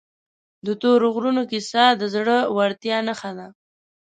د تورې غرونو کیسه د زړه ورتیا نښه ده.